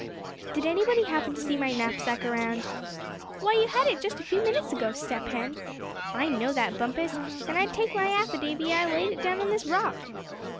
"DID anybody happen to see my knapsack around?" "Why, you had it just a few minutes ago, Step Hen!" "I know that, Bumpus; and I'd take my affidavy I laid it down on this rock."